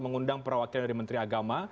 mengundang perwakilan dari menteri agama